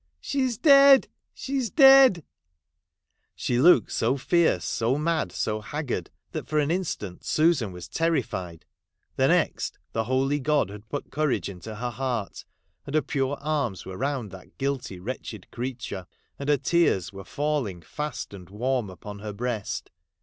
' She is dead ! she is dead !' She looked so fierce, so mad, so haggard, that for an instant Susan was terrified — the next, the holy God had put courage into her heart, and her pure arms were round that tuilty \yretched creature, and her tears were illing fast and' warm upon her breast.